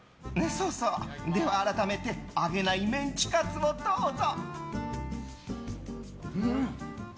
では、改めて揚げないメンチカツをどうぞ。